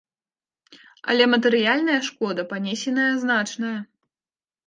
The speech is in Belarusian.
Але матэрыяльная шкода панесеная значная.